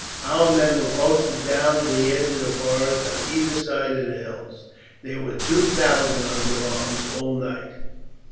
"Our men were posted down to the edge of the forest on either side of the hills. There were two thousand under arms all night."